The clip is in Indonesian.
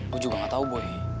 gue juga gak tau boy